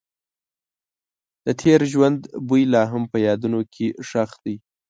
د تېر ژوند بوی لا هم په یادونو کې ښخ دی.